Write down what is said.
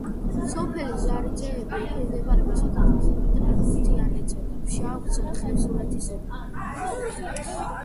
სოფელი ზარიძეები ექვემდებარება საქართველოს საპატრიარქოს თიანეთისა და ფშავ-ხევსურეთის ეპარქიას.